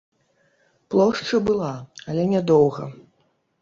Плошча была, але нядоўга.